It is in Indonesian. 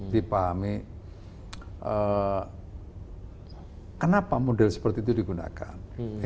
dipahami kenapa model seperti itu digunakan